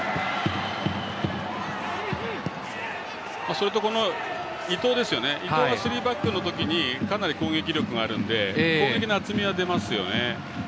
そういうところの伊藤がスリーバックの時にかなり攻撃力があるので攻撃の厚みは出ますよね。